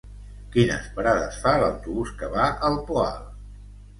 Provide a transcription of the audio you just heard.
Quines parades fa l'autobús que va al Poal?